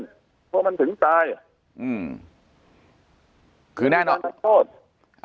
เพราะมันถึงตายอืมคือน่ะมีเหมือนทราบโทษ